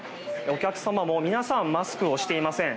お客様も皆さんマスクをしていません。